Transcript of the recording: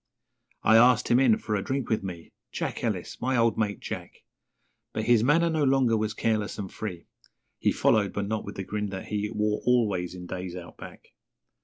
I asked him in for a drink with me Jack Ellis my old mate, Jack But his manner no longer was careless and free, He followed, but not with the grin that he Wore always in days Out Back.